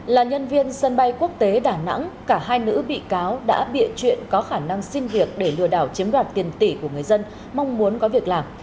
là nhân viên sân bay quốc tế đà nẵng cả hai nữ bị cáo đã bịa chuyện có khả năng xin việc để lừa đảo chiếm đoạt tiền tỷ của người dân mong muốn có việc làm